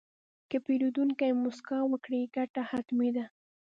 که پیرودونکی موسکا وکړي، ګټه حتمي ده.